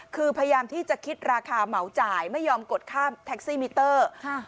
คือพยายามที่จะคิดราคาเหมาจ่ายไม่ยอมกดค่าแท็กซี่มิเตอร์